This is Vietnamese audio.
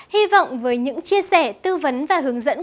hy vọng với những chia sẻ tư vấn và hướng dẫn